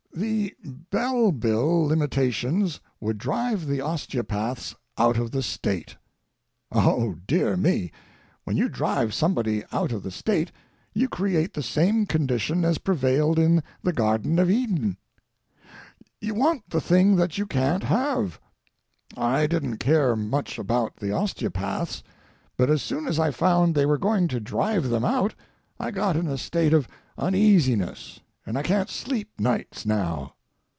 The Bell bill limitations would drive the osteopaths out of the State. Oh, dear me! when you drive somebody out of the State you create the same condition as prevailed in the Garden of Eden. You want the thing that you can't have. I didn't care much about the osteopaths, but as soon as I found they were going to drive them out I got in a state of uneasiness, and I can't sleep nights now.